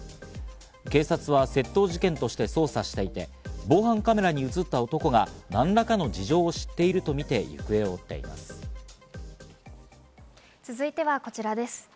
警察は窃盗事件として捜査していて防犯カメラに映った男が何らかの事情を知っているとみて行方を追っています。